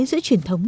giữa truyền thống